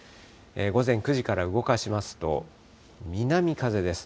午前９時から動かしますと、南風です。